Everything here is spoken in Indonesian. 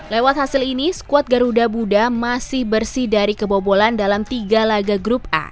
lewat hasil ini skuad garuda buddha masih bersih dari kebobolan dalam tiga laga grup a